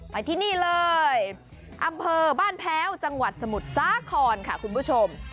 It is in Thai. ไปที่นี่เลยอำเภอบ้านแพ้วจังหวัดสมุทรสาครค่ะคุณผู้ชม